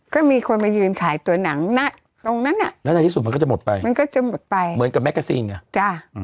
ก็มีคนมายืนขายตัวหนังนะตรงนั้นอ่ะแล้วในที่สุดมันก็จะหมดไปมันก็จะหมดไปเหมือนกับแกซีนไงจ้ะ